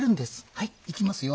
はいいきますよ。